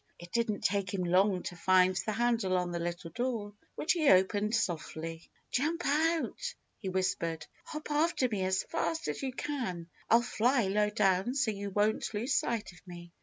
It didn't take him long to find the handle on the little door, which he opened softly. "Jump out!" he whispered. "Hop after me as fast as you can. I'll fly low down so you won't lose sight of me."